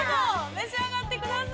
召し上がってください。